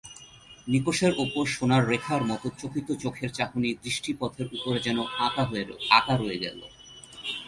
নিকষের উপর সোনার রেখার মতো চকিত চোখের চাহনি দৃষ্টিপথের উপরে যেন আঁকা রয়ে গেল!